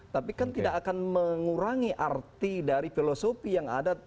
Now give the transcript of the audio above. tapi kan tidak akan mengurangi arti dari filosofi yang ada